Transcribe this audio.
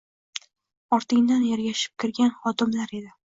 Ortingdan ergashib kirgan xodimlar edi.